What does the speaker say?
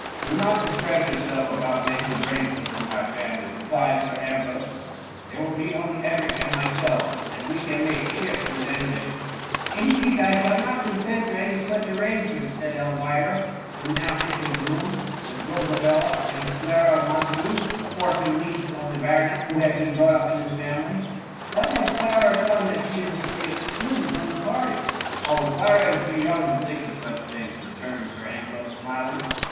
^*^ Do not distress yourself about making arrangements for my family ,'' replied Sir Am brose ;'* there will be only Edric and myself, and we can make shift with any thing.*^ THB MUMMY. 79 ^^ Indeed I shall not consent to any such ar rangement,^ said Elvira, who now entered the room with Rosabella and Clara Montagu, the orphan niece of the baronet, who had been brought up in his family ;*^ What has Clara done that she is to be excluded from the party P^ ^^ Oh, Clara is too young to think of such things,^' returned Sir Ambrose, smiling.